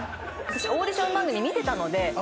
私オーディション番組見てたので。